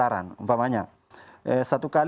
bahkan anak anak kita sudah desain dalam sistem yang ada